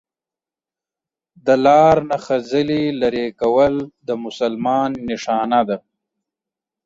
دا لار نه خځلي لري کول د مسلمان نښانه ده